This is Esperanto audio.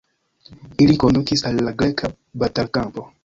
Ili kondukis al la greka batalkampo.